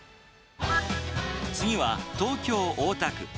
次は、東京・大田区。